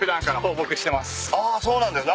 あそうなんですね。